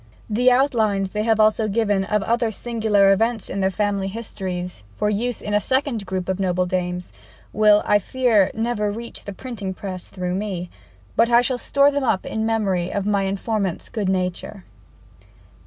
The outlines they have also given of other singular events in their family histories for use in a second "Group of Noble Dames," will, I fear, never reach the printing press through me; but I shall store them up in memory of my informants' good nature.